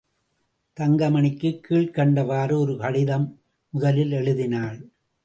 தங்கமணிக்குக் கீழ்க்கண்டவாறு ஒரு கடிதம் முதலில் எழுதினாள்.